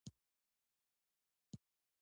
عجیبه لا دا چې امیر ته یې وویل سفیر ونه مني.